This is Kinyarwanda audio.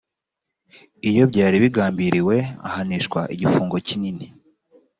iyo byari bigambiriwe ahanishwa igifungo kinini